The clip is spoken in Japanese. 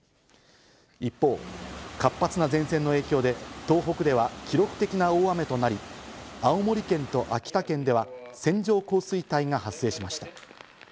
一方、活発な前線の影響で東北では記録的な大雨となり、青森県と秋田県では線状降水帯が発生しました。